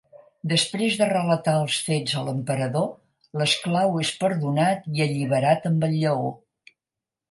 Després de relatar els fets a l'emperador, l'esclau és perdonat i alliberat amb el lleó.